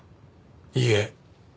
いいえ。